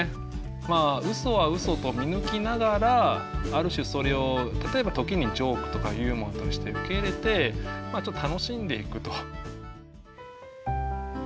まあうそはうそと見抜きながらある種それを例えば時にジョークとかユーモアとして受け入れてまあちょっと楽しんでいくと。